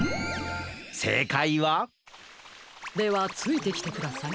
せいかいは？ではついてきてください。